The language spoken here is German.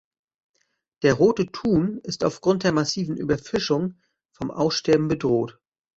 Der Rote Thun ist aufgrund der massiven Überfischung vom Aussterben bedroht.